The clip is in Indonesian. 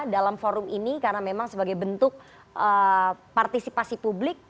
dalam forum ini karena memang sebagai bentuk partisipasi publik